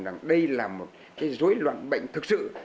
rằng đây là một cái dối loạn bệnh thực sự